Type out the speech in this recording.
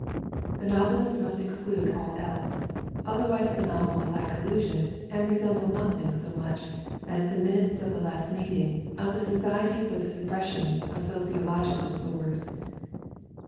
The novelist must exclude all else, otherwise the novel will lack illusion and resemble nothing so much as the minutes of the last meeting of the Society for the Suppression of Sociological Sores.